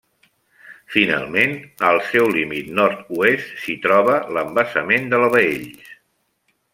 Finalment, al seu límit nord-oest, s'hi troba l’embassament de la Baells.